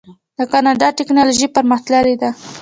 د کاناډا ټیکنالوژي پرمختللې ده.